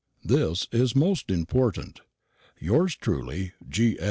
This is most important. Yours truly, G.